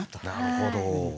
なるほど。